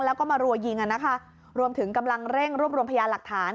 แล้วก็มารัวยิงอ่ะนะคะรวมถึงกำลังเร่งรวบรวมพยานหลักฐาน